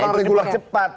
orang regulasi cepat